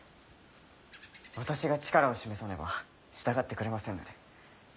私が力を示さねば従ってくれませんので。